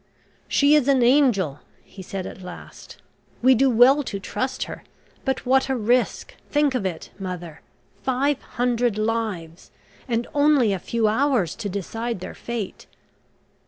"She is an angel," he said at last. "We do well to trust her but what a risk, think of it, mother five hundred lives, and only a few hours to decide their fate."